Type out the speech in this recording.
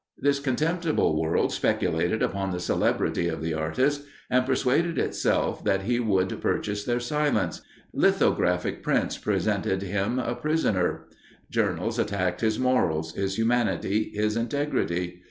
This contemptible world speculated upon the celebrity of the artist, and persuaded itself that he would purchase their silence. Lithographic prints presented him a prisoner; journals attacked his morals, his humanity, his integrity.